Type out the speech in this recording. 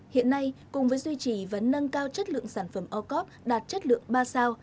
hiện nay cùng với duy trì và nâng cao chất lượng sản phẩm ocop đạt chất lượng ba sao